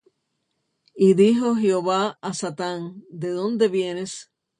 Y dijo Jehová á Satán: ¿De dónde vienes?